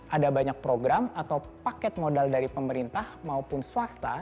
ada banyak program atau paket modal dari pemerintah maupun swasta